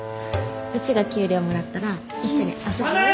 うちが給料もらったら一緒に遊びに。